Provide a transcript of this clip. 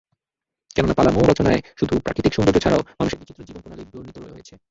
কেননা পালামৌ রচনায় শুধু প্রাকৃতিক সৌন্দর্য ছাড়াও মানুষের বিচিত্র জীবন-প্রণালি বর্ণিত হয়েছে।